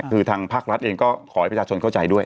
คือทางภาครัฐเองก็ขอให้ประชาชนเข้าใจด้วย